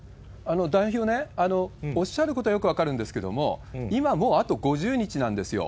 代表ね、おっしゃることはよく分かるんですけれども、今、もうあと５０日なんですよ。